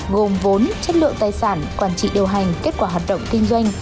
gồm vốn chất lượng tài sản quản trị điều hành kết quả hoạt động kinh doanh